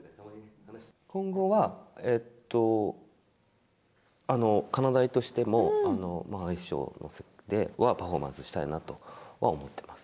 今後は、かなだいとしても、アイスショーではパフォーマンスしたいなとは思ってます。